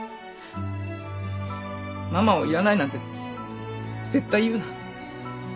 ママをいらないなんて絶対言うな。